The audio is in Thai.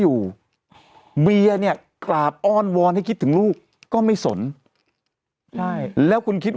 อยู่เบียเนี่ยกราบอ้อนวอนให้คิดถึงลูกก็ไม่สนใช่แล้วคุณคิดว่า